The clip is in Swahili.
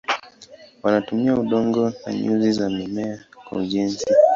Wanatumia udongo na nyuzi za mimea kwa ujenzi.